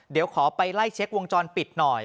เดี๋ยวขอไปไล่เช็ควงจรปิดหน่อย